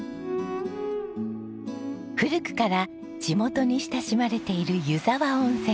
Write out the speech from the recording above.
古くから地元に親しまれている湯沢温泉。